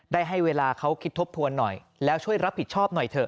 ได้ให้เวลาเขาคิดทบทวนหน่อยแล้วช่วยรับผิดชอบหน่อยเถอะ